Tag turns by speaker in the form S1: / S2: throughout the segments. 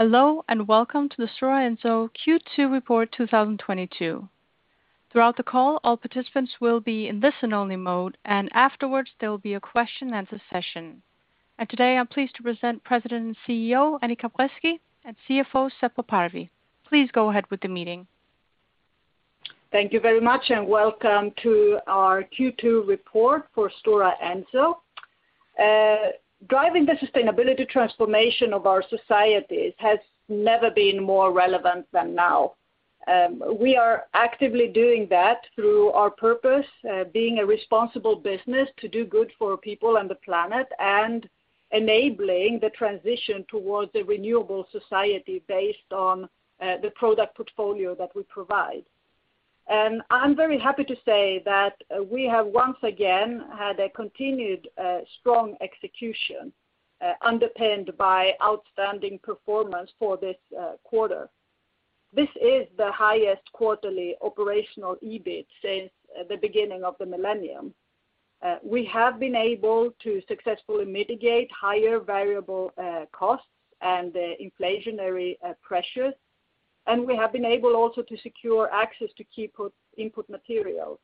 S1: Hello, and welcome to the Stora Enso Q2 Report 2022. Throughout the call, all participants will be in listen only mode, and afterwards there will be a question and answer session. Today, I'm pleased to present President and CEO, Annica Bresky, and CFO, Seppo Parvi. Please go ahead with the meeting.
S2: Thank you very much, and welcome to our Q2 report for Stora Enso. Driving the sustainability transformation of our societies has never been more relevant than now. We are actively doing that through our purpose, being a responsible business to do good for people and the planet, and enabling the transition towards a renewable society based on the product portfolio that we provide. I'm very happy to say that we have once again had a continued strong execution, underpinned by outstanding performance for this quarter. This is the highest quarterly operational EBIT since the beginning of the millennium. We have been able to successfully mitigate higher variable costs and inflationary pressures. We have been able also to secure access to key input materials.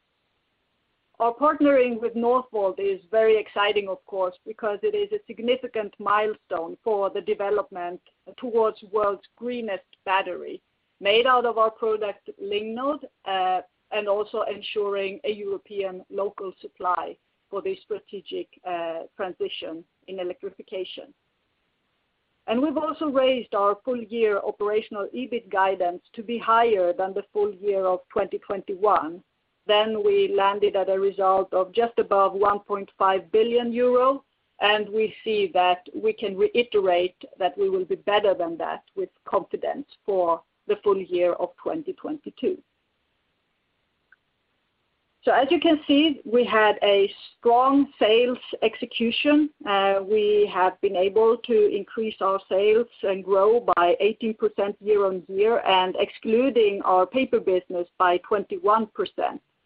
S2: Our partnering with Northvolt is very exciting of course, because it is a significant milestone for the development towards world's greenest battery, made out of our product Lignode, and also ensuring a European local supply for the strategic transition in electrification. We've also raised our full year operational EBIT guidance to be higher than the full year of 2021. We landed at a result of just above 1.5 billion euro, and we see that we can reiterate that we will be better than that with confidence for the full year of 2022. As you can see, we had a strong sales execution. We have been able to increase our sales and grow by 18% year-on-year, and excluding our paper business by 21%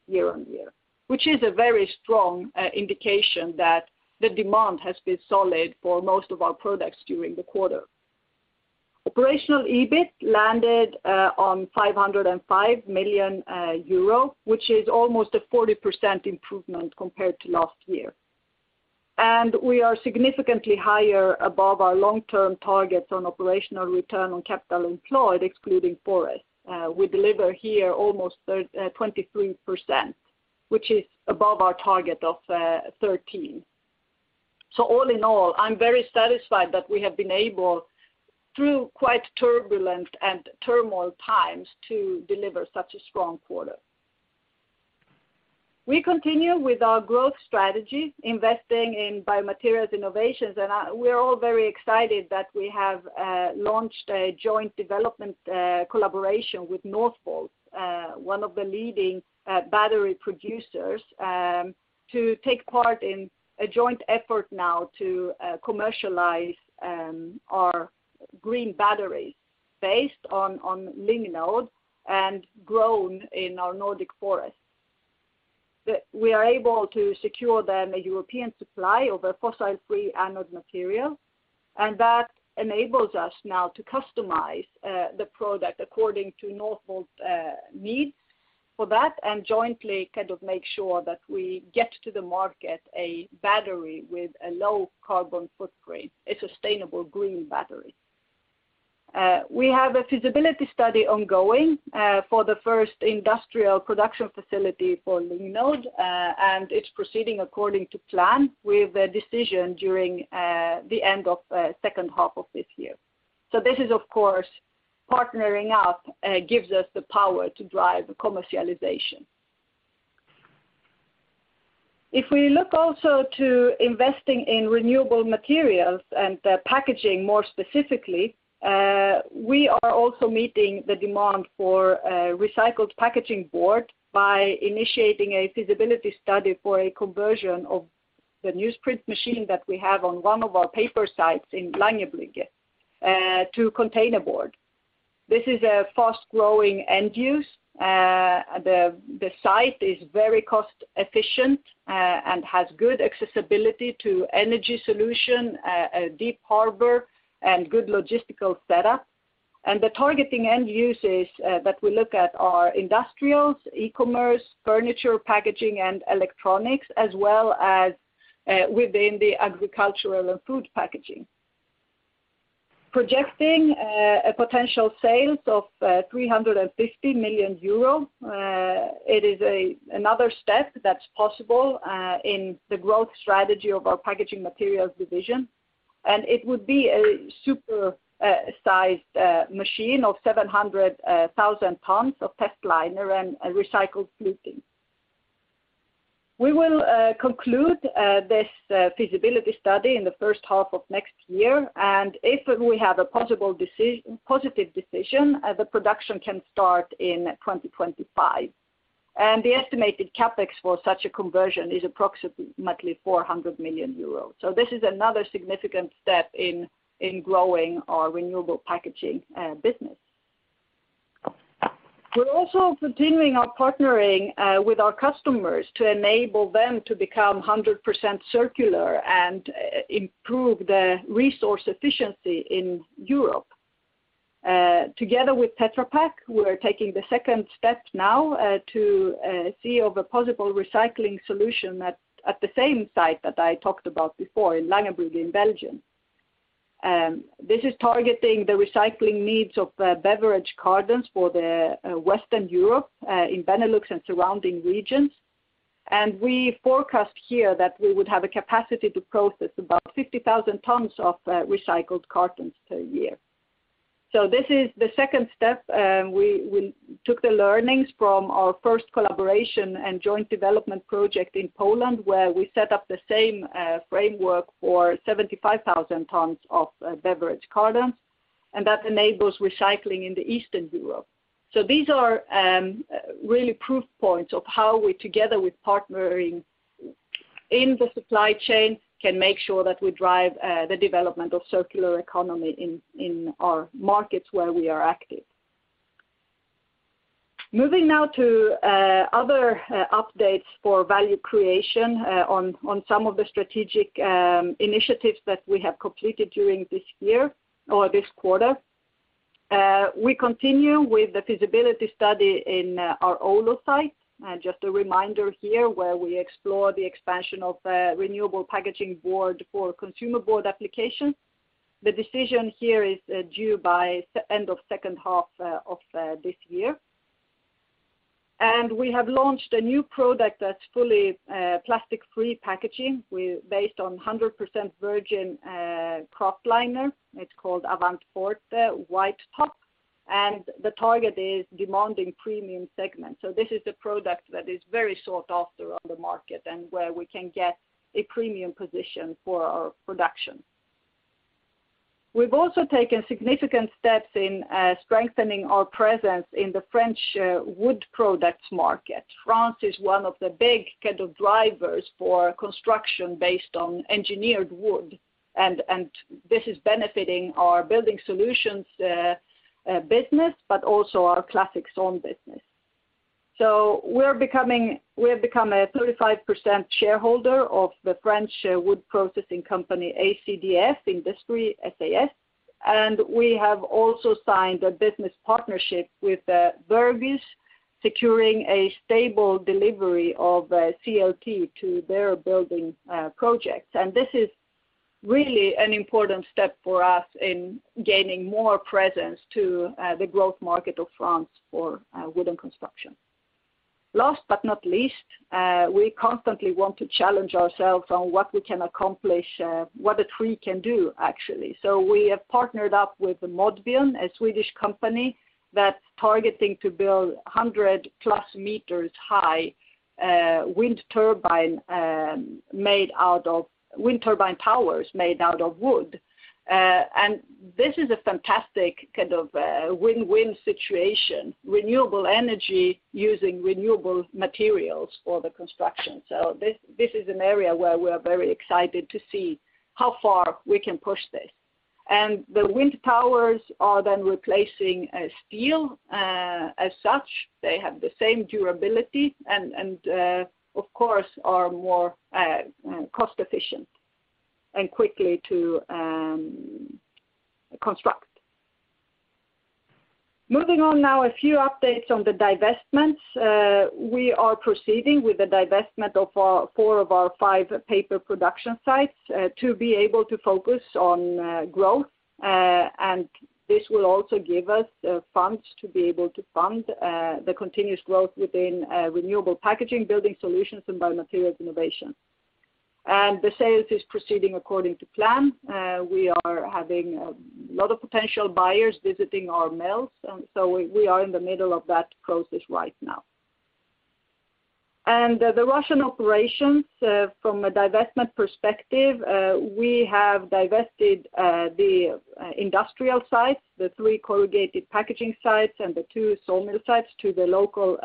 S2: year-on-year, which is a very strong indication that the demand has been solid for most of our products during the quarter. Operational EBIT landed on 505 million euro, which is almost a 40% improvement compared to last year. We are significantly higher above our long-term targets on operational return on capital employed excluding forest. We deliver here almost 23%, which is above our target of 13. All in all, I'm very satisfied that we have been able, through quite turbulent and turmoil times, to deliver such a strong quarter. We continue with our growth strategy, investing in Biomaterials Innovations. We're all very excited that we have launched a joint development collaboration with Northvolt, one of the leading battery producers, to take part in a joint effort now to commercialize our green batteries based on Lignode and grown in our Nordic forests. We are able to secure them a European supply of a fossil-free anode material, and that enables us now to customize the product according to Northvolt needs for that, and jointly kind of make sure that we get to the market a battery with a low carbon footprint, a sustainable green battery. We have a feasibility study ongoing for the first industrial production facility for Lignode, and it's proceeding according to plan with a decision during the end of second half of this year. This is of course partnering up gives us the power to drive commercialization. If we look also to investing in renewable materials and packaging more specifically, we are also meeting the demand for recycled packaging board by initiating a feasibility study for a conversion of the newsprint machine that we have on one of our paper sites in Langerbrugge to containerboard. This is a fast-growing end use. The site is very cost efficient and has good accessibility to energy solution, a deep harbor, and good logistical setup. The targeting end uses that we look at are industrials, e-commerce, furniture, packaging, and electronics, as well as within the agricultural and food packaging. Projecting a potential sales of 350 million euro, it is another step that's possible in the growth strategy of our Packaging Materials division, and it would be a super sized machine of 700,000 tons of testliner and recycled fluting. We will conclude this feasibility study in the first half of next year, and if we have a possible positive decision, the production can start in 2025. The estimated CapEx for such a conversion is approximately 400 million euros. This is another significant step in growing our renewable packaging business. We're also continuing our partnering with our customers to enable them to become 100% circular and improve the resource efficiency in Europe. Together with Tetra Pak, we're taking the second step now to see if a possible recycling solution at the same site that I talked about before in Langerbrugge in Belgium. This is targeting the recycling needs of beverage cartons for the Western Europe in Benelux and surrounding regions. We forecast here that we would have a capacity to process about 50,000 tons of recycled cartons per year. This is the second step. We took the learnings from our first collaboration and joint development project in Poland, where we set up the same framework for 75,000 tons of beverage cartons, and that enables recycling in Eastern Europe. These are really proof points of how we, together with partnering in the supply chain, can make sure that we drive the development of circular economy in our markets where we are active. Moving now to other updates for value creation on some of the strategic initiatives that we have completed during this year or this quarter. We continue with the feasibility study in our Oulu site. Just a reminder here where we explore the expansion of renewable packaging board for consumer board applications. The decision here is due by end of second half of this year. We have launched a new product that's fully plastic-free packaging based on 100% virgin kraftliner. It's called AvantForte WhiteTop, and the target is demanding premium segment. This is a product that is very sought after on the market and where we can get a premium position for our production. We've also taken significant steps in strengthening our presence in the French wood products market. France is one of the big kind of drivers for construction based on engineered wood, and this is benefiting our Building Solutions business, but also our classic sawn business. We have become a 35% shareholder of the French wood processing company, ACDF Industrie SAS, and we have also signed a business partnership with Bouygues S.A., securing a stable delivery of CLT to their building projects. This is really an important step for us in gaining more presence to the growth market of France for wooden construction. Last but not least, we constantly want to challenge ourselves on what we can accomplish, what a tree can do actually. We have partnered up with Modvion, a Swedish company that's targeting to build 100+ meters high wind turbine towers made out of wood. This is a fantastic kind of win-win situation, renewable energy using renewable materials for the construction. This is an area where we're very excited to see how far we can push this. The wind towers are then replacing steel as such. They have the same durability and of course are more cost efficient and quickly to construct. Moving on now, a few updates on the divestments. We are proceeding with the divestment of our four of our five paper production sites to be able to focus on growth. This will also give us funds to be able to fund the continuous growth within renewable packaging, Building Solutions, and Biomaterials Innovation. The sales is proceeding according to plan. We are having a lot of potential buyers visiting our mills, so we are in the middle of that process right now. The Russian operations, from a divestment perspective, we have divested, the, industrial sites, the three corrugated packaging sites and the two sawmill sites to the local,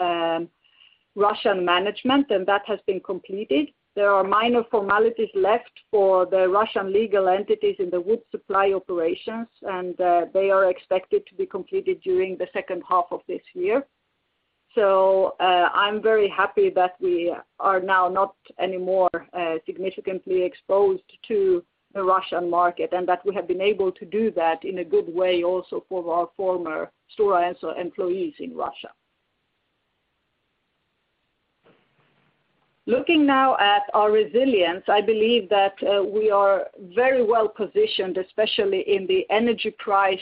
S2: Russian management, and that has been completed. There are minor formalities left for the Russian legal entities in the wood supply operations, and they are expected to be completed during the second half of this year. I'm very happy that we are now not anymore, significantly exposed to the Russian market and that we have been able to do that in a good way also for our former Stora Enso employees in Russia. Looking now at our resilience, I believe that we are very well-positioned, especially in the energy price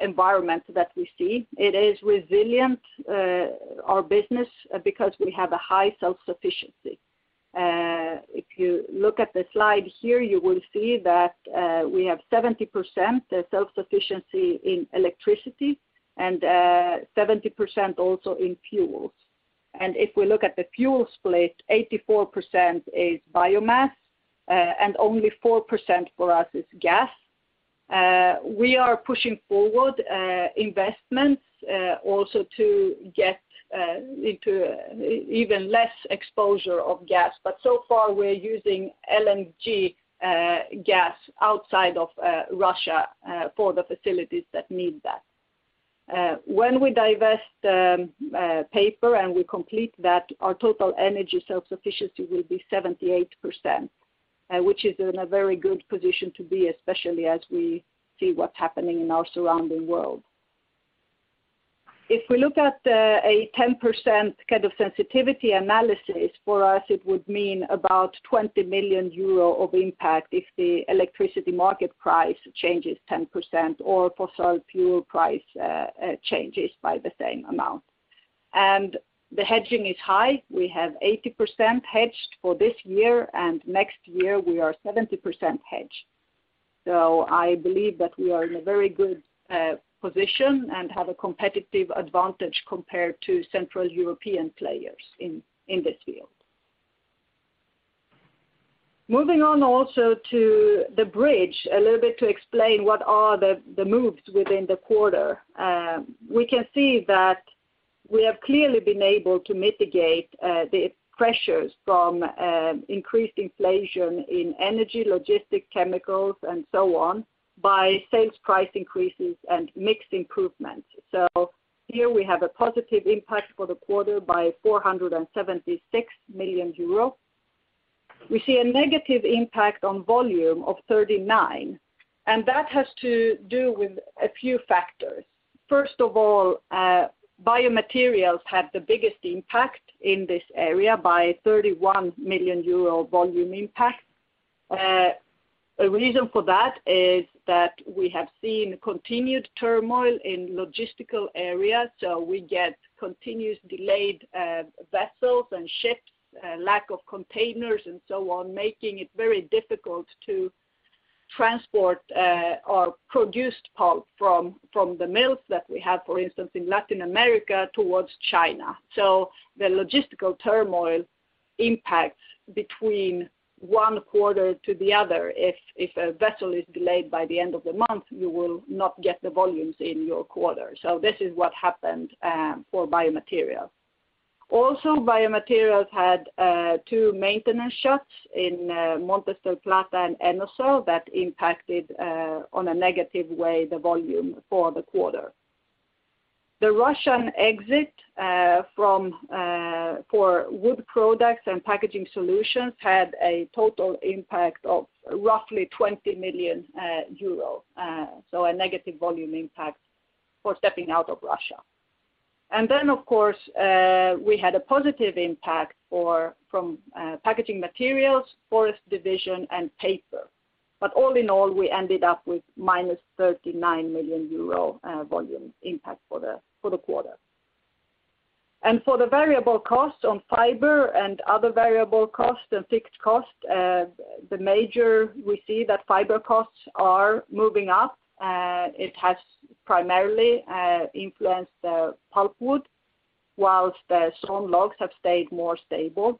S2: environment that we see. It is resilient, our business, because we have a high self-sufficiency. If you look at the slide here, you will see that, we have 70% self-sufficiency in electricity and, 70% also in fuels. If we look at the fuel split, 84% is biomass, and only 4% for us is gas. We are pushing forward investments also to get into even less exposure to gas. So far, we're using LNG gas outside of Russia, for the facilities that need that. When we divest paper and we complete that, our total energy self-sufficiency will be 78%, which is in a very good position to be, especially as we see what's happening in our surrounding world. If we look at a 10% kind of sensitivity analysis, for us, it would mean about 20 million euro of impact if the electricity market price changes 10% or fossil fuel price changes by the same amount. The hedging is high. We have 80% hedged for this year, and next year, we are 70% hedged. I believe that we are in a very good position and have a competitive advantage compared to central European players in this field. Moving on also to the bridge, a little bit to explain what are the moves within the quarter. We can see that we have clearly been able to mitigate the pressures from increased inflation in energy, logistics, chemicals, and so on by sales price increases and mix improvements. Here we have a positive impact for the quarter by 476 million euro. We see a negative impact on volume of 39 million, and that has to do with a few factors. First of all, Biomaterials had the biggest impact in this area by 31 million euro volume impact. A reason for that is that we have seen continued turmoil in logistical areas, so we get continuously delayed vessels and ships, lack of containers and so on, making it very difficult to transport our produced pulp from the mills that we have, for instance, in Latin America towards China. The logistical turmoil impacts between one quarter to the other. If a vessel is delayed by the end of the month, you will not get the volumes in your quarter. This is what happened for Biomaterials. Also, Biomaterials had two maintenance shutdowns in Montes del Plata and Enocell that impacted in a negative way the volume for the quarter. The Russian exit from wood products and Packaging Solutions had a total impact of roughly 20 million euro, so a negative volume impact for stepping out of Russia. Then, of course, we had a positive impact from Packaging Materials, Forest Division, and Paper. All in all, we ended up with -39 million euro volume impact for the quarter. For the variable costs on fiber and other variable costs and fixed costs, mainly we see that fiber costs are moving up. It has primarily influenced pulpwood, while the sawn logs have stayed more stable.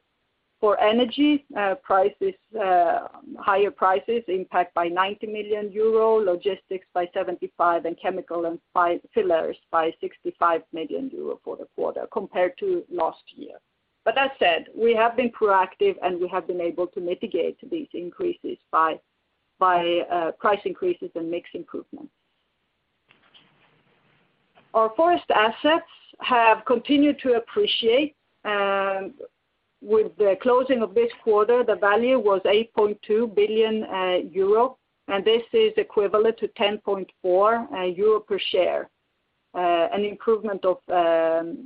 S2: For energy prices, higher prices impact by 90 million euro, logistics by 75, and chemical and fillers by 65 million euro for the quarter compared to last year. That said, we have been proactive, and we have been able to mitigate these increases by price increases and mix improvements. Our forest assets have continued to appreciate. With the closing of this quarter, the value was 8.2 billion euro, and this is equivalent to 10.4 euro per share, an improvement from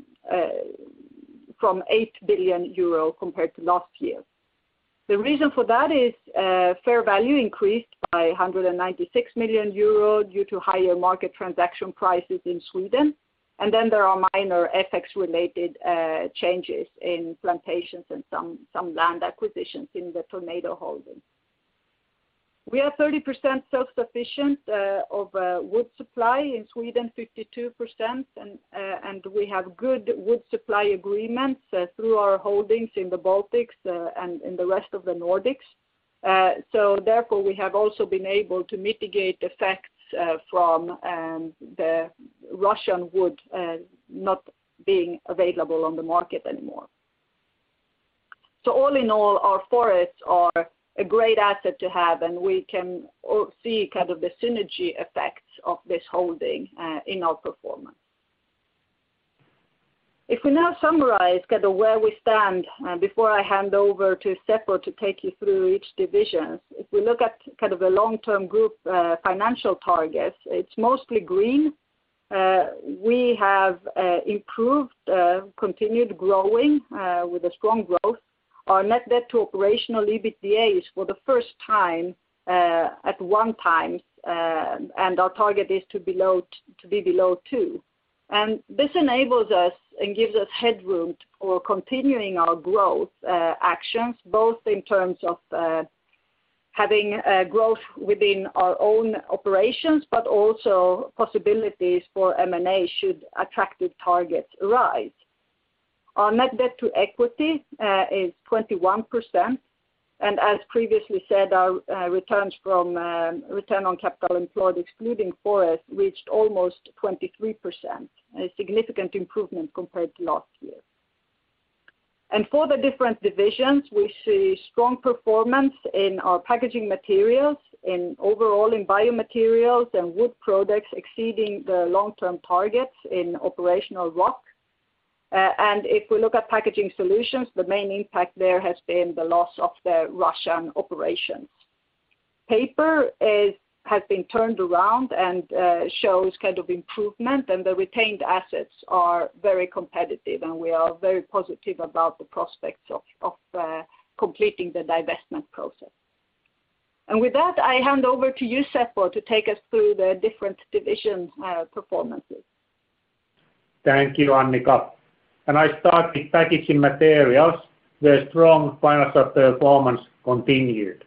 S2: 8 billion euro compared to last year. The reason for that is fair value increased by 196 million euro due to higher market transaction prices in Sweden. Then there are minor FX-related changes in plantations and some land acquisitions in the Tornator holding. We are 30% self-sufficient of wood supply. In Sweden, 52%, and we have good wood supply agreements through our holdings in the Baltics and in the rest of the Nordics. Therefore, we have also been able to mitigate the effects from the Russian wood not being available on the market anymore. All in all, our forests are a great asset to have, and we can see kind of the synergy effects of this holding in our performance. If we now summarize kind of where we stand before I hand over to Seppo to take you through each divisions, if we look at kind of the long-term group financial targets, it's mostly green. We have improved, continued growing with a strong growth. Our net debt to operational EBITDA is for the first time at 1x, and our target is to be below 2x. This enables us and gives us headroom for continuing our growth actions, both in terms of having growth within our own operations, but also possibilities for M&A should attractive targets arise. Our net debt to equity is 21%. As previously said, our return on capital employed, excluding forest, reached almost 23%, a significant improvement compared to last year. For the different divisions, we see strong performance in our Packaging Materials, in Biomaterials and Wood Products exceeding the long-term targets in operational ROOC. If we look at packaging solutions, the main impact there has been the loss of the Russian operations. Paper has been turned around and shows kind of improvement, and the retained assets are very competitive, and we are very positive about the prospects of completing the divestment process. With that, I hand over to you, Seppo, to take us through the different division performances.
S3: Thank you, Annica. I start with Packaging Materials. The strong financial performance continued.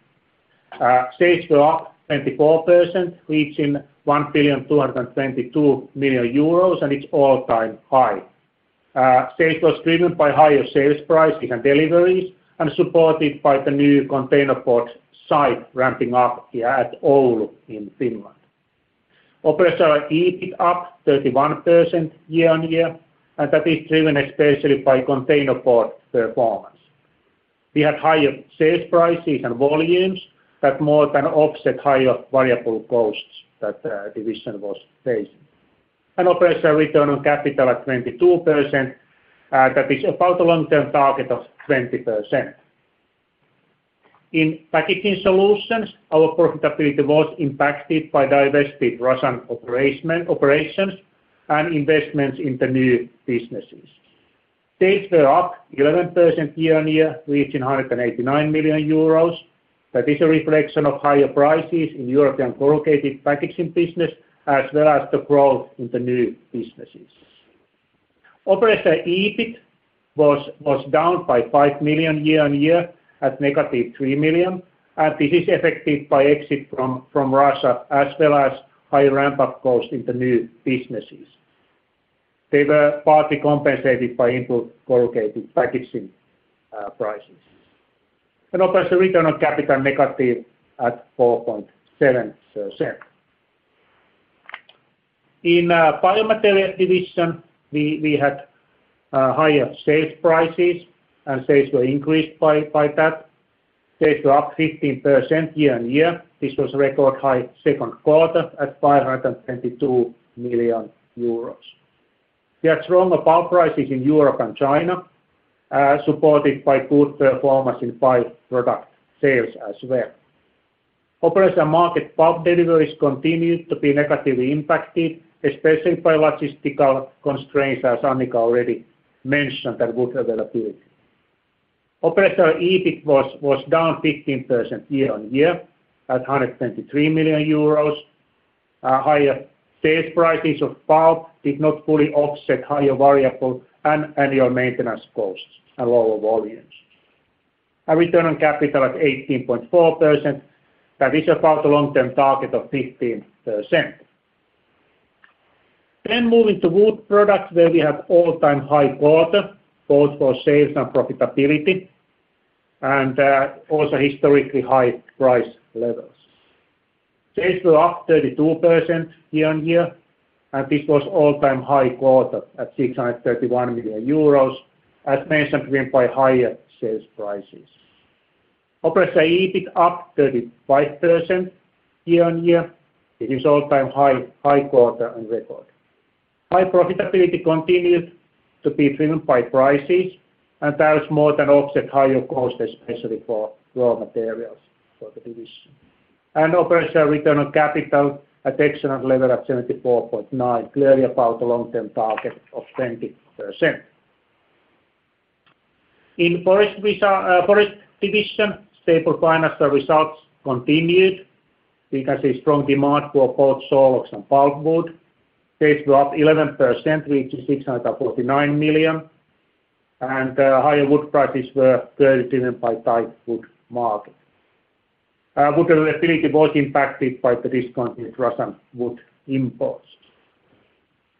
S3: Sales were up 24%, reaching 1,222 billion euros, and it's all-time high. Sales was driven by higher sales prices and deliveries and supported by the new containerboard site ramping up here at Oulu in Finland. Operating EBIT up 31% year-on-year, and that is driven especially by containerboard performance. We had higher sales prices and volumes that more than offset higher variable costs that the division was facing. Operating return on capital at 22%, that is about the long-term target of 20%. In packaging solutions, our profitability was impacted by divested Russian operations and investments in the new businesses. Sales were up 11% year-on-year, reaching 189 million euros. That is a reflection of higher prices in European corrugated packaging business, as well as the growth in the new businesses. Operational EBIT was down by 5 million year-on-year at negative 3 million. This is affected by exit from Russia, as well as high ramp-up costs in the new businesses. They were partly compensated by input corrugated packaging prices. Operational return on capital negative at 4.7%. In Biomaterials division, we had higher sales prices, and sales were increased by that. Sales were up 15% year-on-year. This was record high second quarter at 522 million euros. We had strong pulp prices in Europe and China, supported by good performance in bio product sales as well. Operating and market pulp deliveries continued to be negatively impacted, especially by logistical constraints, as Annica already mentioned, and wood availability. Operational EBIT was down 15% year-on-year at 123 million euros. Higher sales prices of pulp did not fully offset higher variable and annual maintenance costs and lower volumes. Our return on capital at 18.4%, that is about the long-term target of 15%. Moving to Wood Products, where we have all-time high quarter, both for sales and profitability, and also historically high price levels. Sales were up 32% year-on-year, and this was all-time high quarter at 631 million euros, as mentioned, driven by higher sales prices. Operational EBIT up 35% year-on-year. It is all-time high quarter on record. High profitability continued to be driven by prices, and that has more than offset higher costs, especially for raw materials for the division. Operating return on capital at excellent level at 74.9%, clearly above the long-term target of 20%. In forest division, stable financial results continued because of strong demand for both sawlogs and pulpwood. Sales were up 11%, reaching 649 million. Higher wood prices were clearly driven by tight wood market. Wood availability was impacted by the discounted Russian wood imports.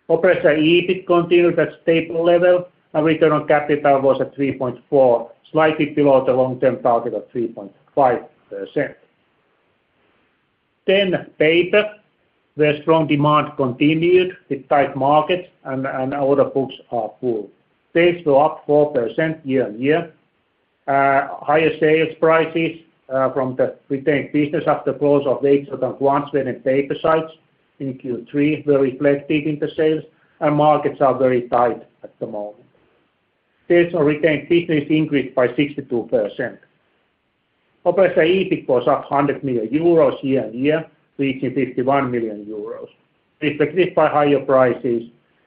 S3: Operating EBIT continued at stable level, and return on capital was at 3.4%, slightly below the long-term target of 3.5%. Paper, where strong demand continued with tight markets and order books are full. Sales were up 4% year-on-year. Higher sales prices from the retained business after close of the Veitsiluoto and Kvarnsveden paper sites in Q3 were reflected in the sales, and markets are very tight at the moment. Sales on retained business increased by 62%. Operational EBIT was up 100 million euros year-over-year, reaching 51 million euros, reflected by higher prices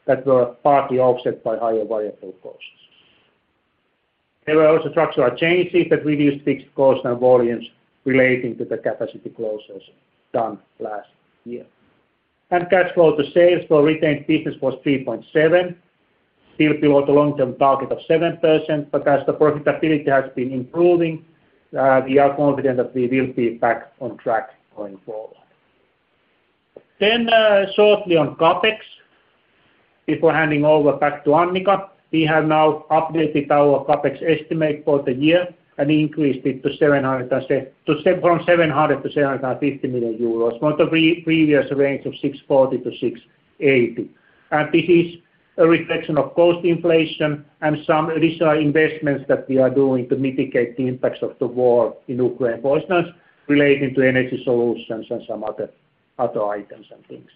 S3: that were partly offset by higher variable costs. There were also structural changes that reduced fixed costs and volumes relating to the capacity closures done last year. Cash flow to sales for retained business was 3.7%, still below the long-term target of 7%. As the profitability has been improving, we are confident that we will be back on track going forward. Shortly on CapEx, before handing over back to Annica, we have now updated our CapEx estimate for the year and increased it to 700 million-750 million euros from the previous range of 640 million-680 million. This is a reflection of cost inflation and some additional investments that we are doing to mitigate the impacts of the war in Ukraine, for instance, relating to energy solutions and some other items and things.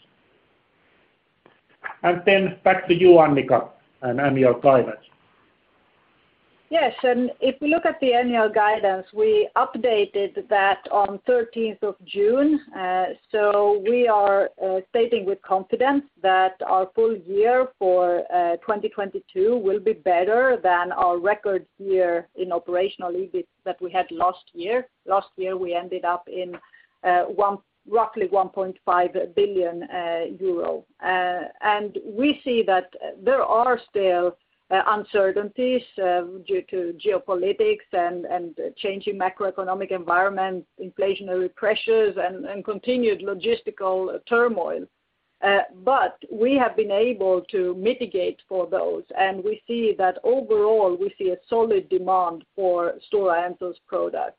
S3: Back to you, Annica, and annual guidance.
S2: Yes. If we look at the annual guidance, we updated that on the 13th of June. We are stating with confidence that our full year for 2022 will be better than our record year in operational EBIT that we had last year. Last year, we ended up in roughly 1.5 billion euro. We see that there are still uncertainties due to geopolitics and changing macroeconomic environment, inflationary pressures and continued logistical turmoil. We have been able to mitigate for those, and we see that overall, a solid demand for Stora Enso's products.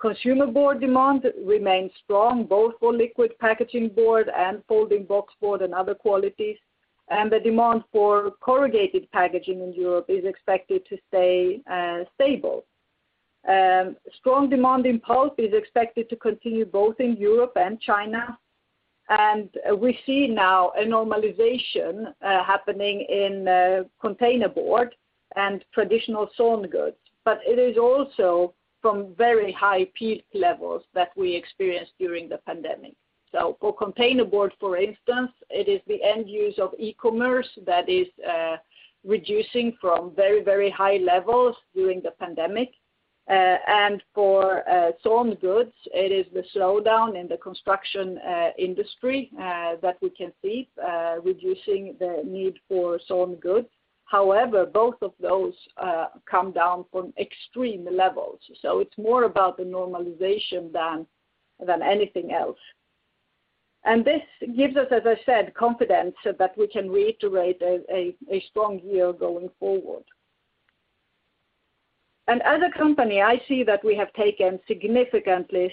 S2: Consumer board demand remains strong, both for liquid packaging board and folding box board and other qualities. The demand for corrugated packaging in Europe is expected to stay stable. Strong demand in pulp is expected to continue both in Europe and China. We see now a normalization happening in containerboard and traditional sawn wood. It is also from very high peak levels that we experienced during the pandemic. For containerboard, for instance, it is the end use of e-commerce that is reducing from very, very high levels during the pandemic. For sawn goods, it is the slowdown in the construction industry that we can see reducing the need for sawn good. However, both of those come down from extreme levels. It's more about the normalization than anything else. This gives us, as I said, confidence that we can reiterate a strong year going forward. As a company, I see that we have taken significantly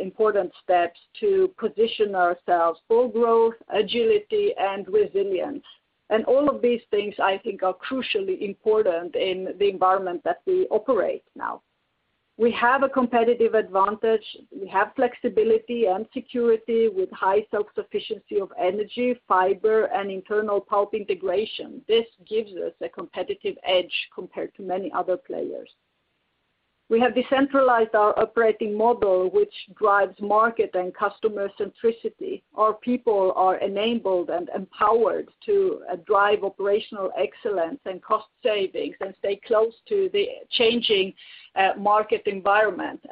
S2: important steps to position ourselves for growth, agility, and resilience. All of these things, I think, are crucially important in the environment that we operate now. We have a competitive advantage. We have flexibility and security with high self-sufficiency of energy, fiber, and internal pulp integration. This gives us a competitive edge compared to many other players. We have decentralized our operating model, which drives market and customer centricity. Our people are enabled and empowered to drive operational excellence and cost savings and stay close to the changing market environment.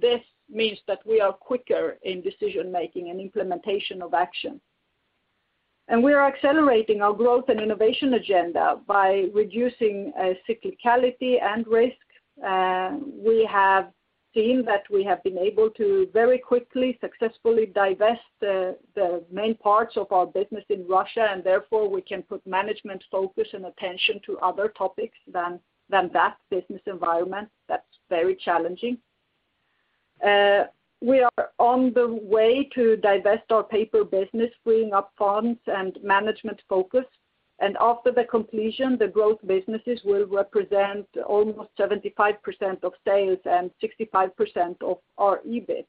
S2: This means that we are quicker in decision-making and implementation of action. We are accelerating our growth and innovation agenda by reducing cyclicality and risk. We have seen that we have been able to very quickly successfully divest the main parts of our business in Russia, and therefore we can put management focus and attention to other topics than that business environment that's very challenging. We are on the way to divest our Paper business, freeing up funds and management focus. After the completion, the growth businesses will represent almost 75% of sales and 65% of our EBIT.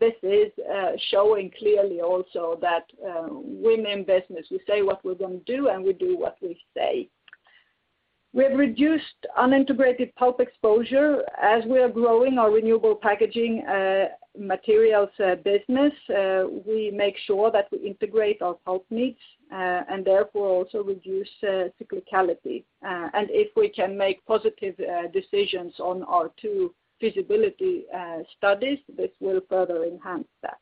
S2: This is showing clearly also that we mean business. We say what we're gonna do, and we do what we say. We have reduced unintegrated pulp exposure. As we are growing our renewable Packaging Materials business, we make sure that we integrate our pulp needs and therefore also reduce cyclicality. If we can make positive decisions on our two feasibility studies, this will further enhance that.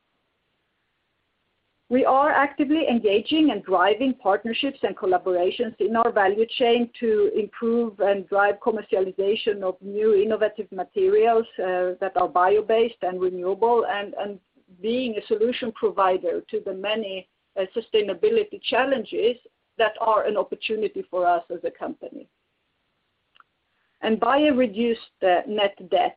S2: We are actively engaging and driving partnerships and collaborations in our value chain to improve and drive commercialization of new innovative materials that are bio-based and renewable and being a solution provider to the many sustainability challenges that are an opportunity for us as a company. By a reduced net debt,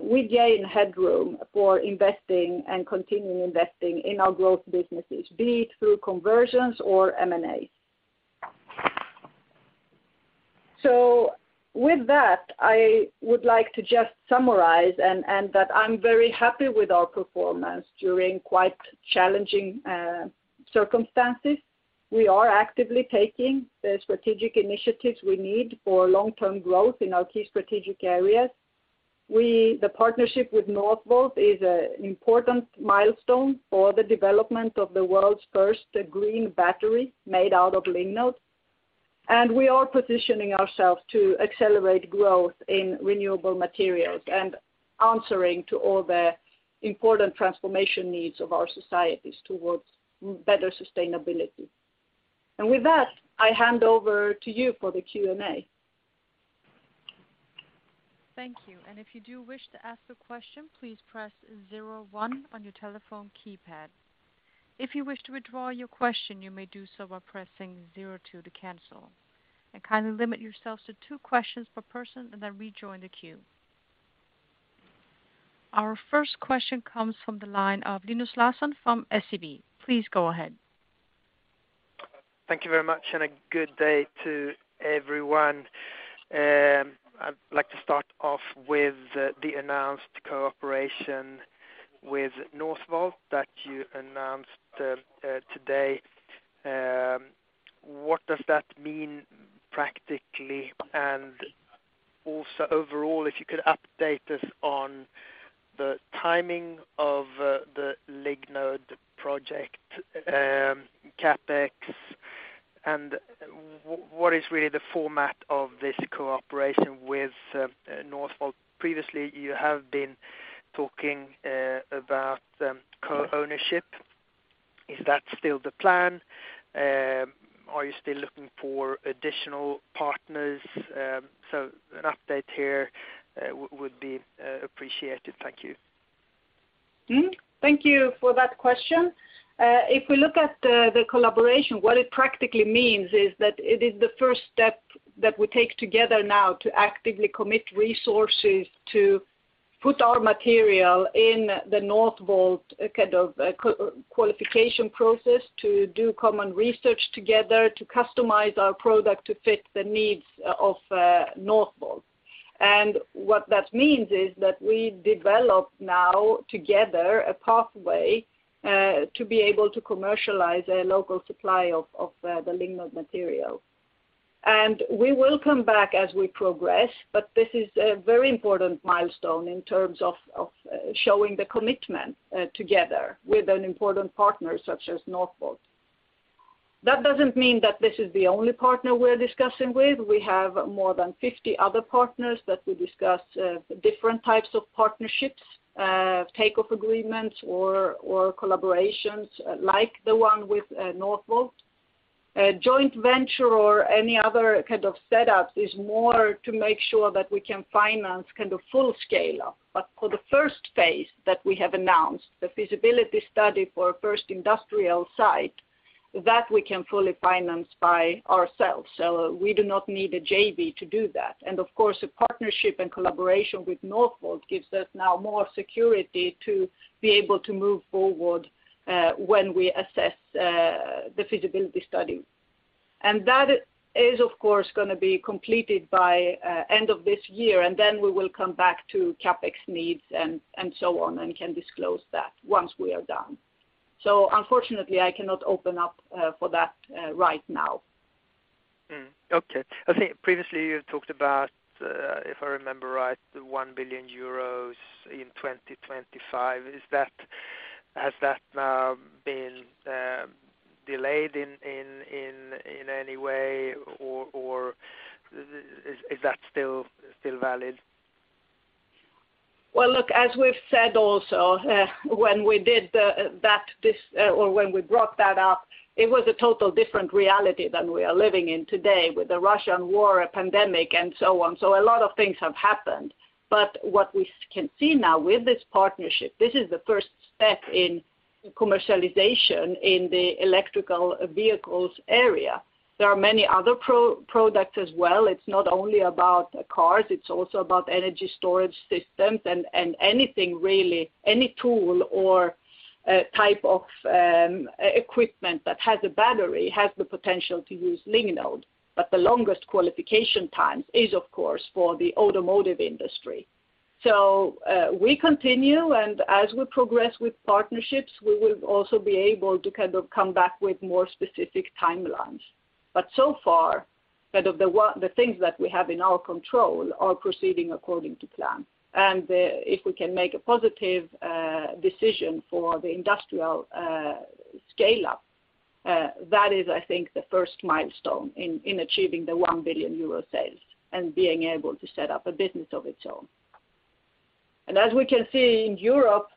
S2: we gain headroom for investing and continuing investing in our growth businesses, be it through conversions or M&As. With that, I would like to just summarize and that I'm very happy with our performance during quite challenging circumstances. We are actively taking the strategic initiatives we need for long-term growth in our key strategic areas. The partnership with Northvolt is an important milestone for the development of the world's first green battery made out of Lignode. We are positioning ourselves to accelerate growth in renewable materials and answering to all the important transformation needs of our societies towards better sustainability. With that, I hand over to you for the Q&A.
S1: Thank you. If you do wish to ask a question, please press zero one on your telephone keypad. If you wish to withdraw your question, you may do so by pressing zero two to cancel. Kindly limit yourselves to two questions per person, and then rejoin the queue. Our first question comes from the line of Linus Larsson from SEB. Please go ahead.
S4: Thank you very much, and a good day to everyone. I'd like to start off with the announced cooperation with Northvolt that you announced today. What does that mean practically? Also overall, if you could update us on the timing of the Lignode project, CapEx, and what is really the format of this cooperation with Northvolt? Previously, you have been talking about co-ownership. Is that still the plan? Are you still looking for additional partners? An update here would be appreciated. Thank you.
S2: Thank you for that question. If we look at the collaboration, what it practically means is that it is the first step that we take together now to actively commit resources to put our material in the Northvolt kind of qualification process, to do common research together, to customize our product to fit the needs of Northvolt. What that means is that we develop now together a pathway to be able to commercialize a local supply of the Lignode material. We will come back as we progress, but this is a very important milestone in terms of showing the commitment together with an important partner such as Northvolt. That doesn't mean that this is the only partner we're discussing with. We have more than 50 other partners that we discuss different types of partnerships, offtake agreements or collaborations like the one with Northvolt. A joint venture or any other kind of setup is more to make sure that we can finance kind of full scale. For the first phase that we have announced, the feasibility study for first industrial site, that we can fully finance by ourselves. We do not need a JV to do that. Of course, a partnership and collaboration with Northvolt gives us now more security to be able to move forward when we assess the feasibility study. That is, of course, gonna be completed by end of this year, and then we will come back to CapEx needs and so on and can disclose that once we are done. Unfortunately, I cannot open up for that right now.
S4: Okay. I think previously you talked about, if I remember right, 1 billion euros in 2025. Has that now been delayed in any way? Or is that still valid?
S2: Well, look, as we've said also, when we brought that up, it was a total different reality than we are living in today with the Russian war, a pandemic, and so on. A lot of things have happened. What we can see now with this partnership, this is the first step in commercialization in the electric vehicles area. There are many other products as well. It's not only about cars, it's also about energy storage systems and anything really, any tool or type of equipment that has a battery has the potential to use Lignode. The longest qualification times is, of course, for the automotive industry. We continue, and as we progress with partnerships, we will also be able to kind of come back with more specific timelines. So far, kind of the things that we have in our control are proceeding according to plan. If we can make a positive decision for the industrial scale-up, that is, I think, the first milestone in achieving 1 billion euro sales and being able to set up a business of its own. As we can see in Europe,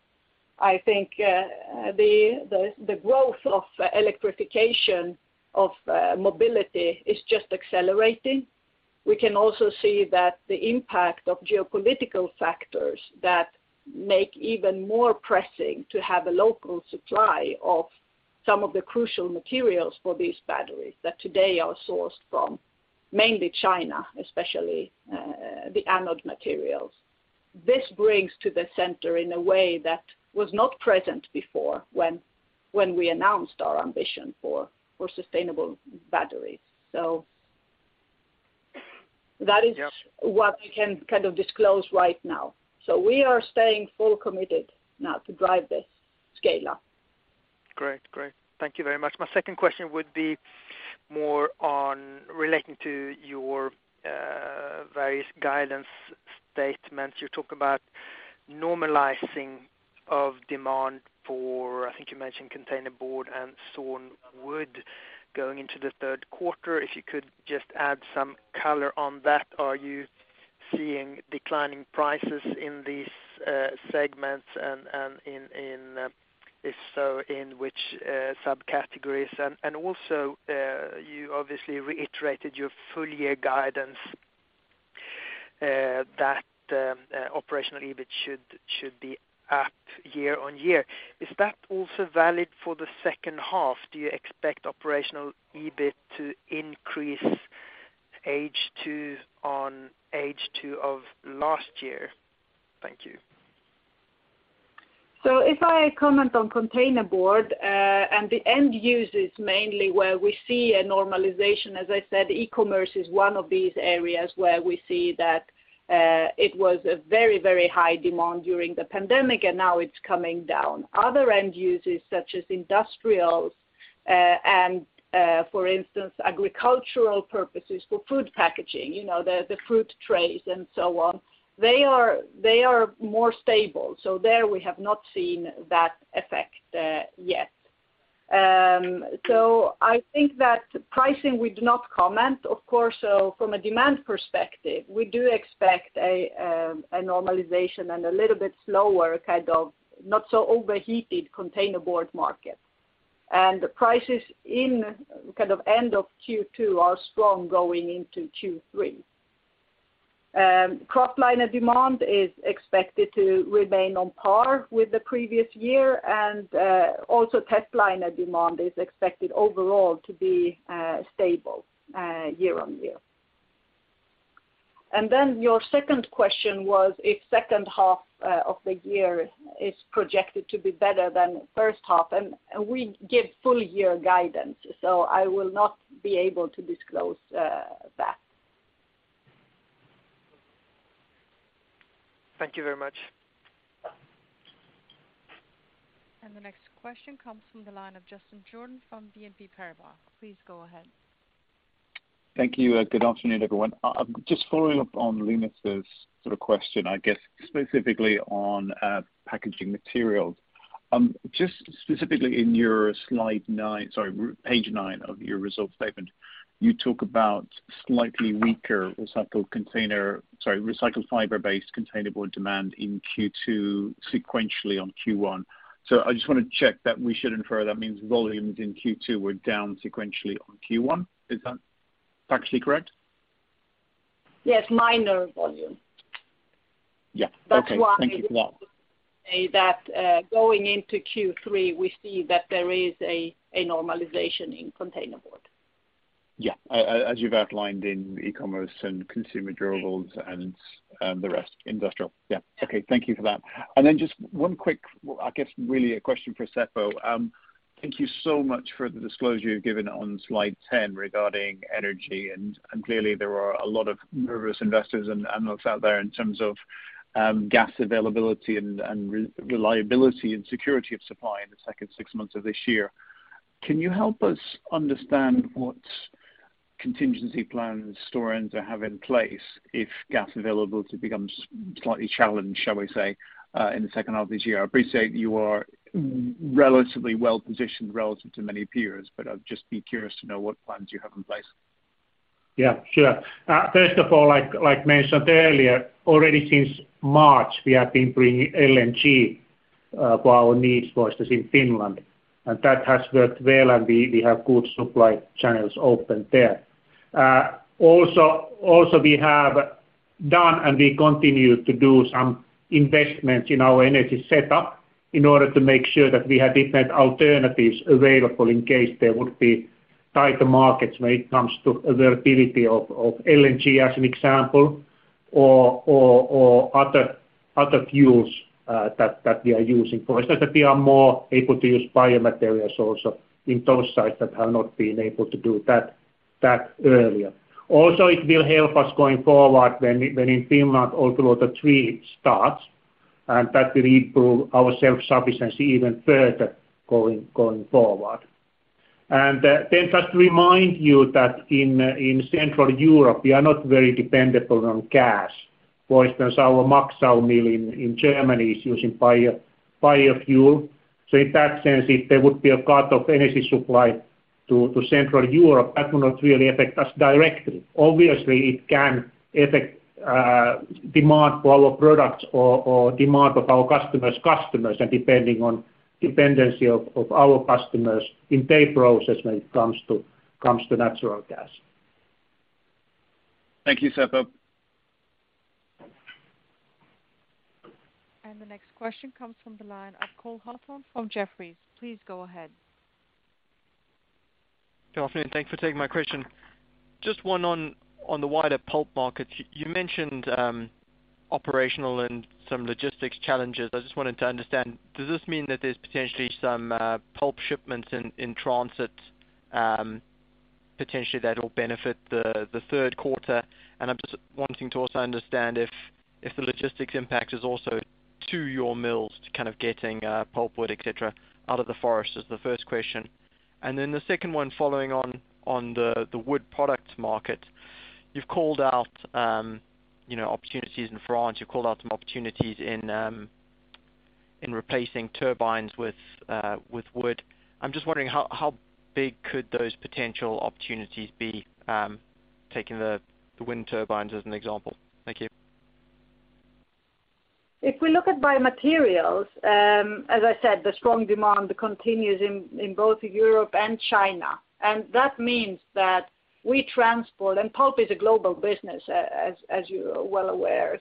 S2: I think the growth of electrification of mobility is just accelerating. We can also see that the impact of geopolitical factors that make even more pressing to have a local supply of some of the crucial materials for these batteries that today are sourced from mainly China, especially the anode materials. This brings to the center in a way that was not present before when we announced our ambition for sustainable batteries. That is-
S4: Yeah.
S2: What we can kind of disclose right now. We are staying fully committed now to drive this scale-up.
S4: Great. Thank you very much. My second question would be more on relating to your various guidance statements. You talk about normalizing of demand for, I think you mentioned containerboard and sawn wood going into the third quarter. If you could just add some color on that. Are you seeing declining prices in these segments and in if so, in which subcategories? Also, you obviously reiterated your full-year guidance. That operational EBIT should be up year-on-year. Is that also valid for the second half? Do you expect operational EBIT to increase H2 over H2 of last year? Thank you.
S2: If I comment on containerboard, and the end users mainly where we see a normalization, as I said, e-commerce is one of these areas where we see that, it was a very, very high demand during the pandemic, and now it's coming down. Other end users such as industrials, and, for instance agricultural purposes for food packaging, you know, the fruit trays and so on, they are more stable. There we have not seen that effect, yet. I think that pricing we do not comment, of course. From a demand perspective, we do expect a normalization and a little bit slower, kind of not so overheated containerboard market. And the prices in kind of end of Q2 are strong going into Q3. Kraftliner demand is expected to remain on par with the previous year and also testliner demand is expected overall to be stable year on year. Then your second question was if second half of the year is projected to be better than first half, and we give full year guidance, so I will not be able to disclose that.
S4: Thank you very much.
S1: The next question comes from the line of Justin Jordan from BNP Paribas. Please go ahead.
S5: Thank you. Good afternoon, everyone. Just following up on Linus' sort of question, I guess specifically on Packaging Materials. Just specifically in your page 9 of your results statement, you talk about slightly weaker recycled fiber-based containerboard demand in Q2 sequentially on Q1. I just wanna check that we should infer that means volumes in Q2 were down sequentially on Q1. Is that factually correct?
S2: Yes, minor volume.
S5: Yeah. Okay. Thank you.
S2: That's why, going into Q3, we see that there is a normalization in containerboard.
S5: Yeah. As you've outlined in e-commerce and consumer durables and the rest, industrial. Yeah. Okay. Thank you for that. Then just one quick, I guess really a question for Seppo. Thank you so much for the disclosure you've given on slide 10 regarding energy, and clearly there are a lot of nervous investors and looks out there in terms of gas availability and reliability and security of supply in the second six months of this year. Can you help us understand what contingency plans Stora Enso have in place if gas availability becomes slightly challenged, shall we say, in the second half of this year? I appreciate you are relatively well-positioned relative to many peers, but I'd just be curious to know what plans you have in place.
S3: Yeah, sure. First of all, like mentioned earlier, already since March, we have been bringing LNG for our needs for us in Finland, and that has worked well, and we have good supply channels open there. We have done, and we continue to do some investments in our energy setup in order to make sure that we have different alternatives available in case there would be tighter markets when it comes to availability of LNG as an example or other fuels that we are using. For instance, that we are more able to use Biomaterials also in those sites that have not been able to do that earlier. It will help us going forward when in Finland, Olkiluoto 3 starts, and that will improve our self-sufficiency even further going forward. Just to remind you that in Central Europe, we are not very dependent on gas. For instance, our Maxau mill in Germany is using biofuel. In that sense, if there would be a cut of energy supply to Central Europe, that would not really affect us directly. Obviously, it can affect demand for our products or demand of our customers and depending on dependency of our customers in their process when it comes to natural gas.
S5: Thank you, Seppo.
S1: The next question comes from the line of Cole Hathorn from Jefferies. Please go ahead.
S6: Good afternoon. Thanks for taking my question. Just one on the wider pulp market. You mentioned operational and some logistics challenges. I just wanted to understand, does this mean that there's potentially some pulp shipments in transit potentially that will benefit the third quarter? I'm just wanting to also understand if the logistics impact is also to your mills to kind of getting pulpwood, et cetera, out of the forest is the first question. Then the second one following on the wood product market. You've called out you know opportunities in France. You've called out some opportunities in replacing turbines with wood. I'm just wondering how big could those potential opportunities be taking the wind turbines as an example? Thank you.
S2: If we look at Biomaterials, as I said, the strong demand continues in both Europe and China. That means that we transport, and pulp is a global business, as you are well aware.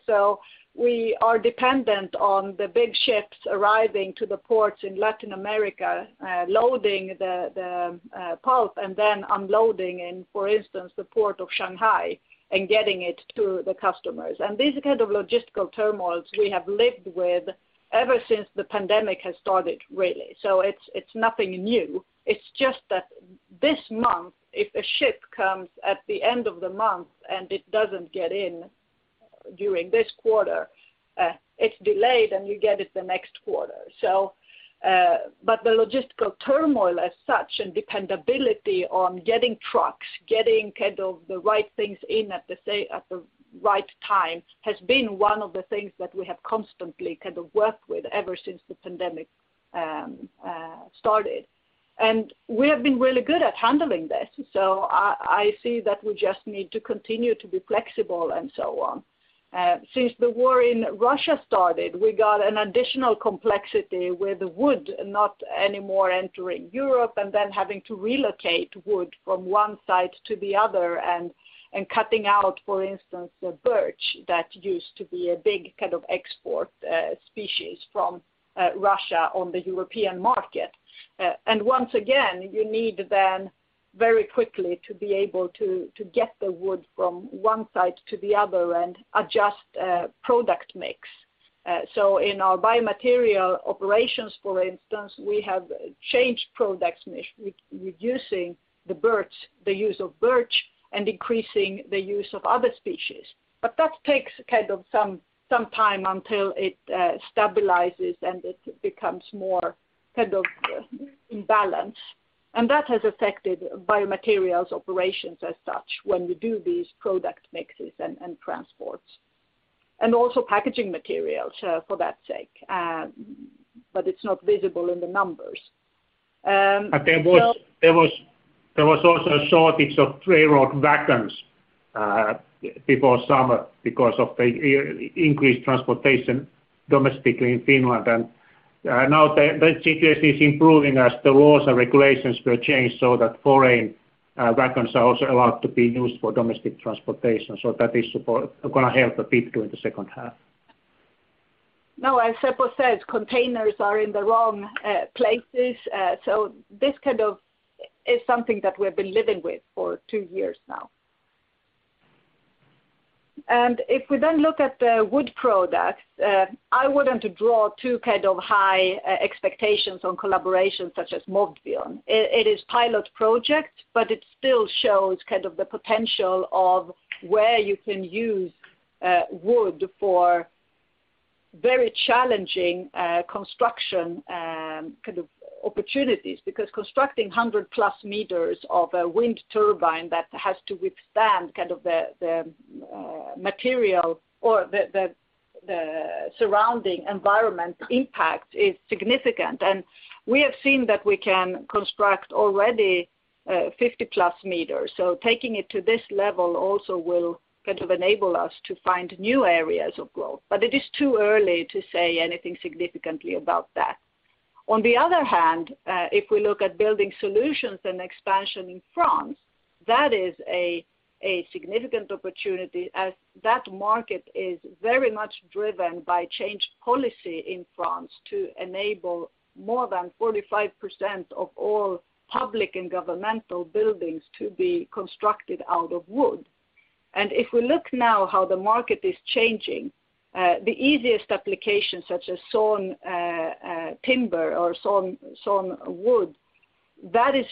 S2: We are dependent on the big ships arriving to the ports in Latin America, loading the pulp, and then unloading in, for instance, the port of Shanghai and getting it to the customers. This kind of logistical turmoils we have lived with ever since the pandemic has started, really. It's nothing new. It's just that this month, if a ship comes at the end of the month and it doesn't get in during this quarter, it's delayed, and you get it the next quarter. The logistical turmoil as such and dependability on getting trucks, getting kind of the right things in at the right time has been one of the things that we have constantly kind of worked with ever since the pandemic started. We have been really good at handling this. I see that we just need to continue to be flexible and so on. Since the war in Russia started, we got an additional complexity with wood not anymore entering Europe, and then having to relocate wood from one site to the other and cutting out, for instance, the birch that used to be a big kind of export species from Russia on the European market. Once again, you need then very quickly to be able to get the wood from one site to the other and adjust product mix. In our Biomaterials operations, for instance, we have changed product mix, reducing the use of birch and decreasing the use of other species. That takes kind of some time until it stabilizes, and it becomes more kind of in balance. That has affected Biomaterials operations as such when we do these product mixes and transports, and also Packaging Materials for that sake. It's not visible in the numbers.
S3: There was also a shortage of railroad wagons before summer because of the increased transportation domestically in Finland. Now the situation is improving as the laws and regulations were changed so that foreign wagons are also allowed to be used for domestic transportation. That is gonna help a bit during the second half.
S2: No, as Seppo said, containers are in the wrong places. This kind of is something that we've been living with for two years now. If we then look at the Wood Products, I wouldn't draw too kind of high expectations on collaborations such as Modvion. It is pilot project, but it still shows kind of the potential of where you can use wood for very challenging construction kind of opportunities. Because constructing 100+ meters of a wind turbine that has to withstand kind of the material or the surrounding environment impact is significant. We have seen that we can construct already 50+ meters. Taking it to this level also will kind of enable us to find new areas of growth. It is too early to say anything significantly about that. On the other hand, if we look at Building Solutions and expansion in France, that is a significant opportunity as that market is very much driven by changed policy in France to enable more than 45% of all public and governmental buildings to be constructed out of wood. If we look now how the market is changing, the easiest application, such as sawn timber or sawn wood, that is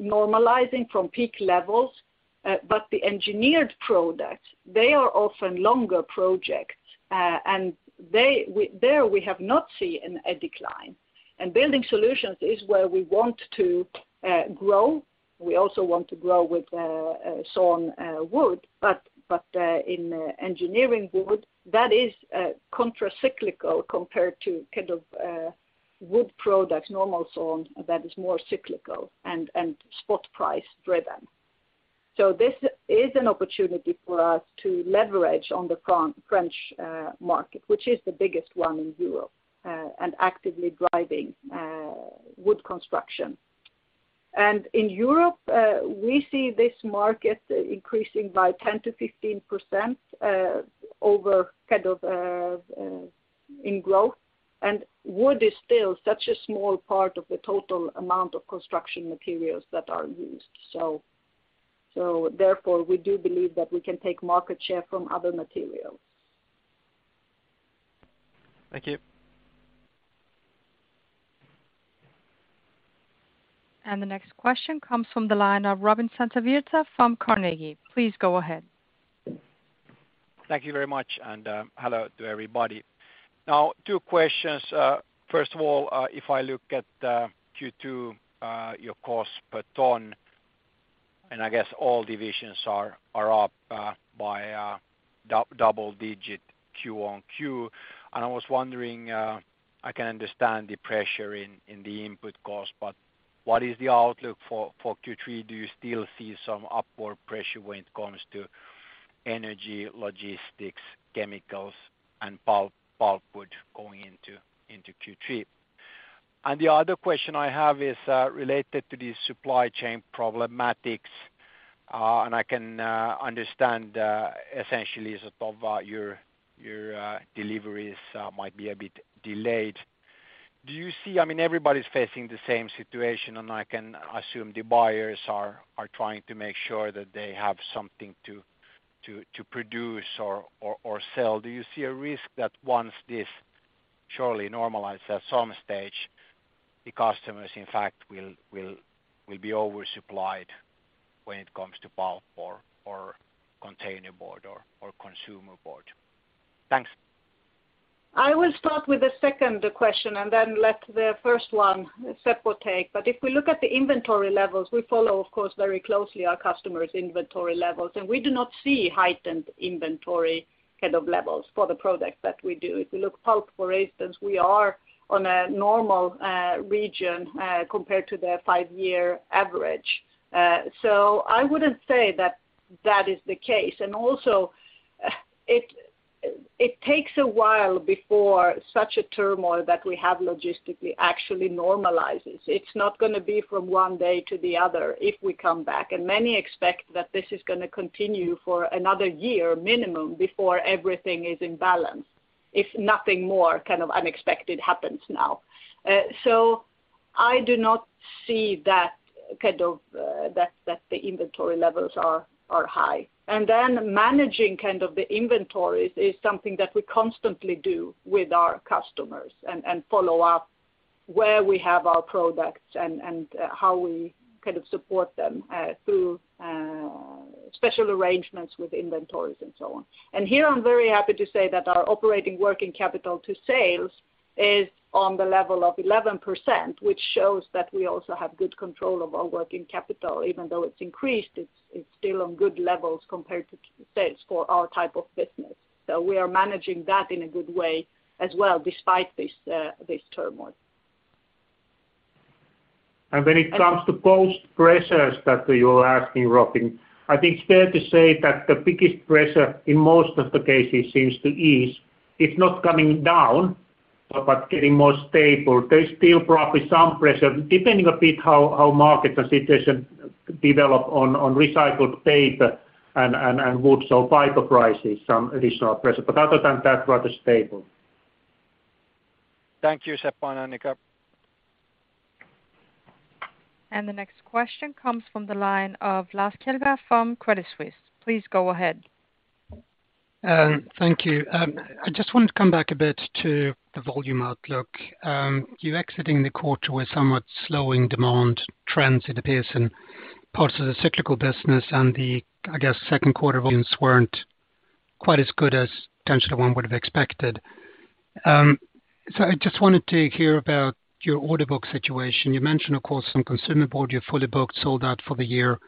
S2: normalizing from peak levels. But the engineered products, they are often longer projects, and there we have not seen a decline. Building Solutions is where we want to grow. We also want to grow with sawn wood, but in engineered wood, that is countercyclical compared to kind of Wood Products, normal sawn, that is more cyclical and spot price driven. This is an opportunity for us to leverage on the French market, which is the biggest one in Europe and actively driving wood construction. In Europe, we see this market increasing by 10%-15% in growth. Wood is still such a small part of the total amount of construction materials that are used. Therefore, we do believe that we can take market share from other materials.
S6: Thank you.
S1: The next question comes from the line of Robin Santavirta from Carnegie. Please go ahead.
S7: Thank you very much, and hello to everybody. Now, two questions. First of all, if I look at Q2, your cost per ton, and I guess all divisions are up by double digit Q on Q. I was wondering, I can understand the pressure in the input cost, but what is the outlook for Q3? Do you still see some upward pressure when it comes to energy, logistics, chemicals and pulpwood going into Q3? The other question I have is related to the supply chain problematics. I can understand essentially sort of your deliveries might be a bit delayed. Do you see? I mean, everybody's facing the same situation, and I can assume the buyers are trying to make sure that they have something to produce or sell. Do you see a risk that once this surely normalizes at some stage, the customers in fact will be oversupplied when it comes to pulp or containerboard or consumer board? Thanks.
S2: I will start with the second question and then let the first one Seppo take. If we look at the inventory levels, we follow of course very closely our customers' inventory levels, and we do not see heightened inventory kind of levels for the products that we do. If you look pulp, for instance, we are on a normal region compared to the five-year average. So I wouldn't say that is the case. Also, it takes a while before such a turmoil that we have logistically actually normalizes. It's not gonna be from one day to the other if we come back. Many expect that this is gonna continue for another year minimum before everything is in balance, if nothing more kind of unexpected happens now. I do not see that the inventory levels are high. Managing kind of the inventories is something that we constantly do with our customers and follow up where we have our products and how we kind of support them through special arrangements with inventories and so on. Here I am very happy to say that our operating working capital to sales is on the level of 11%, which shows that we also have good control of our working capital. Even though it is increased, it is still on good levels compared to sales for our type of business. We are managing that in a good way as well despite this turmoil.
S3: When it comes to cost pressures that you're asking, Robin, I think it's fair to say that the biggest pressure in most of the cases seems to ease. It's not coming down, but getting more stable. There's still probably some pressure, depending a bit how market and situation develop on recycled paper and wood, so fiber prices some additional pressure. Other than that, rather stable.
S7: Thank you, Seppo and Annica.
S1: The next question comes from the line of Lars Kjellberg from Credit Suisse. Please go ahead.
S8: Thank you. I just wanted to come back a bit to the volume outlook. You're exiting the quarter with somewhat slowing demand trends, it appears, in parts of the cyclical business and the, I guess, second quarter volumes weren't quite as good as potentially one would have expected. I just wanted to hear about your order book situation. You mentioned, of course, some consumer board you're fully booked, sold out for the year.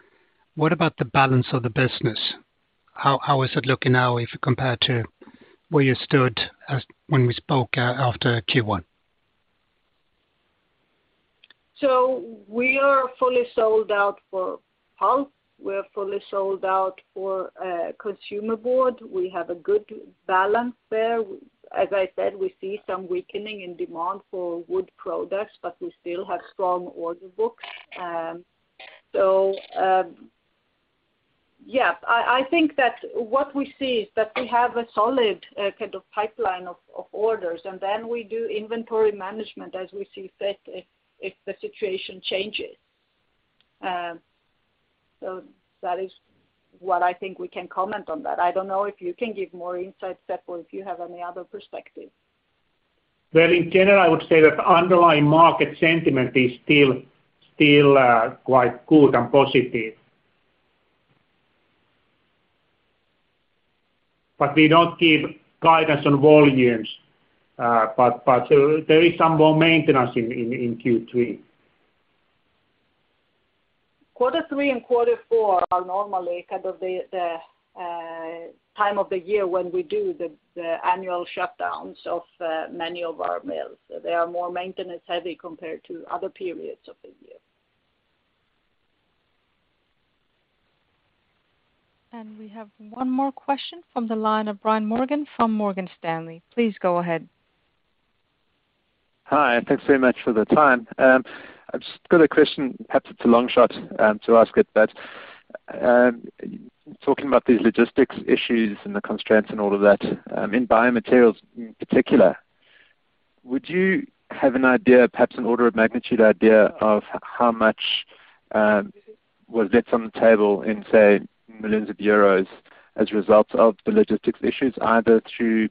S8: What about the balance of the business? How is it looking now if you compare to where you stood as when we spoke, after Q1?
S2: We are fully sold out for pulp. We are fully sold out for consumer board. We have a good balance there. As I said, we see some weakening in demand for wood products, but we still have strong order books. I think that what we see is that we have a solid kind of pipeline of orders, and then we do inventory management as we see fit if the situation changes. That is what I think we can comment on that. I don't know if you can give more insight, Seppo, if you have any other perspective.
S3: Well, in general, I would say that underlying market sentiment is still quite good and positive. We don't give guidance on volumes. There is some more maintenance in Q3.
S2: Quarter three and quarter four are normally kind of the time of the year when we do the annual shutdowns of many of our mills. They are more maintenance-heavy compared to other periods of the year.
S1: We have one more question from the line of Brian Morgan from Morgan Stanley. Please go ahead.
S9: Hi, thanks very much for the time. I've just got a question, perhaps it's a long shot to ask it, but talking about these logistics issues and the constraints and all of that, in Biomaterials in particular, would you have an idea, perhaps an order of magnitude idea of how much, well, that's on the table in, say, millions of euros as a result of the logistics issues, either through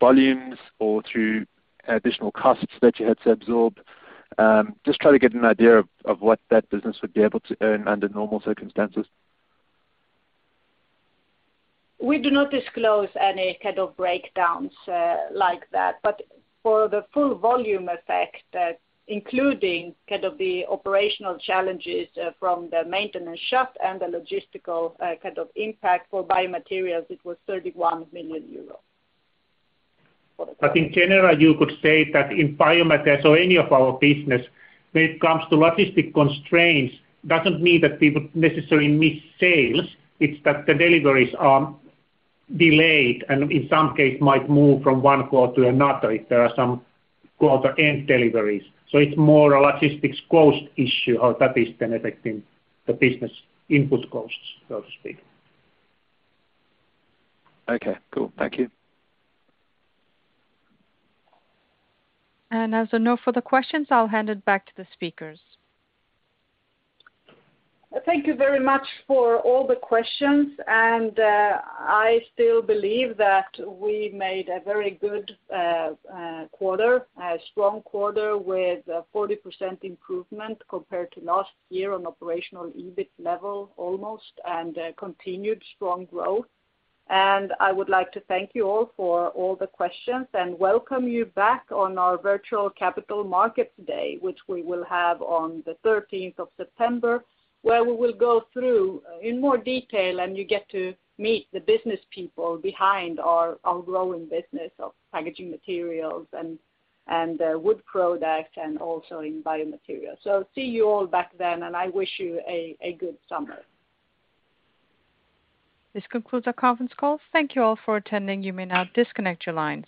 S9: volumes or through additional costs that you had to absorb? Just try to get an idea of what that business would be able to earn under normal circumstances.
S2: We do not disclose any kind of breakdowns, like that. For the full volume effect, including kind of the operational challenges, from the maintenance shut and the logistical, kind of impact for Biomaterials, it was 31 million euros.
S3: In general, you could say that in Biomaterials or any of our business, when it comes to logistics constraints, doesn't mean that we would necessarily miss sales. It's that the deliveries are delayed and in some cases might move from one quarter to another if there are some quarter-end deliveries. It's more a logistics cost issue, how that is then affecting the business input costs, so to speak.
S9: Okay, cool. Thank you.
S1: As there are no further questions, I'll hand it back to the speakers.
S2: Thank you very much for all the questions. I still believe that we made a very good quarter, a strong quarter with 40% improvement compared to last year on operational EBIT level almost, and continued strong growth. I would like to thank you all for all the questions and welcome you back on our virtual Capital Markets Day, which we will have on the thirteenth of September, where we will go through in more detail and you get to meet the business people behind our growing business of Packaging Materials and Wood Products and also in Biomaterials. See you all back then, and I wish you a good summer.
S1: This concludes our conference call. Thank you all for attending. You may now disconnect your lines.